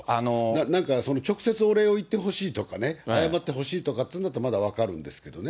なんかその、直接お礼を言ってほしいとかね、謝ってほしいとかっていうんだったらまだ分かるんですけどね。